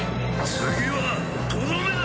次はとどめだ！